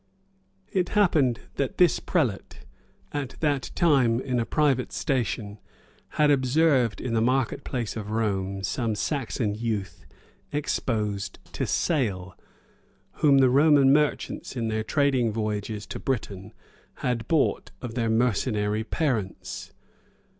It happened that this prelate, at that time in a private station, had observed in the market place of Rome some Saxon youth exposed to sale, whom the Roman merchants, in their trading voyages to Britain, had bought of their mercenary parents.